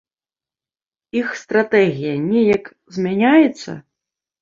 Іх стратэгія неяк змяняецца?